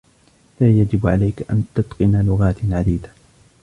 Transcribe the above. لا يجب عليك أن تتقن لغات عديدة.